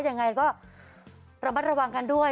ยังไงก็ระมัดระวังกันด้วย